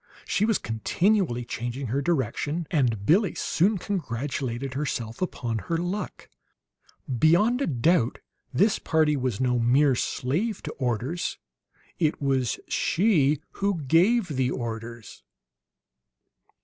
She was continually changing her direction; and Billie soon congratulated herself upon her luck. Beyond a doubt, this party was no mere slave to orders; it was she who gave the orders.